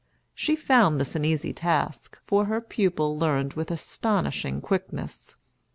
She found this an easy task, for her pupil learned with astonishing quickness.